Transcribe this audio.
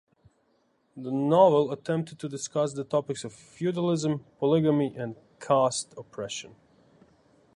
The novel attempted to discuss the topics of feudalism, polygamy and caste oppression.